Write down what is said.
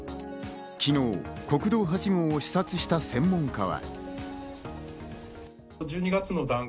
昨日、国道８号を視察した専門家は。